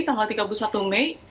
tanggal tiga puluh satu mei